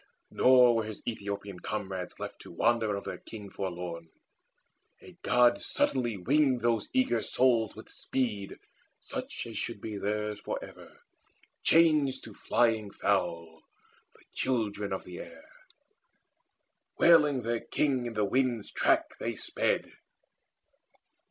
Nor were his Aethiopian comrades left To wander of their King forlorn: a God Suddenly winged those eager souls with speed Such as should soon be theirs for ever, changed To flying fowl, the children of the air. Wailing their King in the winds' track they sped.